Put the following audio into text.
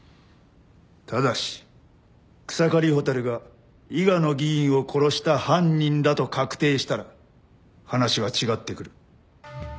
ただし草刈蛍が伊賀の議員を殺した犯人だと確定したら話は違ってくる。